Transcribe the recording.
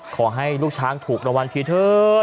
ขอให้ลูกช้างถูกรางวัลทีเถิด